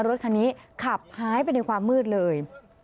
รถคันนี้ขับหายไปในความมืดเลย